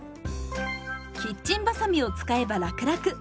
キッチンばさみを使えばラクラク。